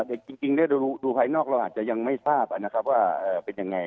เด็กจริงดูภายนอกเราอาจจะยังไม่ทราบว่าเป็นยังไง